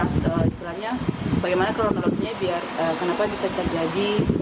nah istilahnya bagaimana kelola lola nya kenapa bisa terjadi